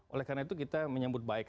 oleh karena itu kita menyambut baik